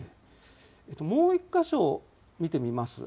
もう１か所見てみます。